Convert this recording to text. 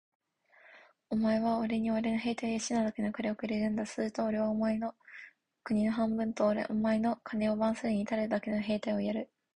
お前はおれにおれの兵隊を養うだけ金をくれるんだ。するとおれはお前におれの国を半分と、お前の金を番するのにたるだけの兵隊をやる。